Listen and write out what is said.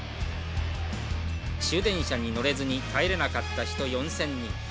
「終電車に乗れずに帰れなかった人４，０００人。